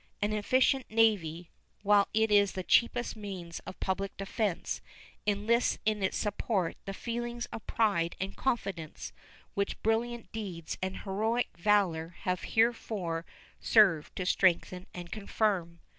An efficient navy, while it is the cheapest means of public defense, enlists in its support the feelings of pride and confidence which brilliant deeds and heroic valor have heretofore served to strengthen and confirm.